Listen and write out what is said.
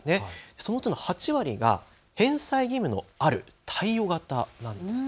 そのうちの８割が返済義務のある貸与型なんです。